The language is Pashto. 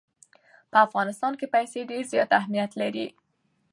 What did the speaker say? په افغانستان کې پسه ډېر زیات اهمیت لري.